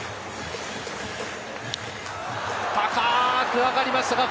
高く上がりました！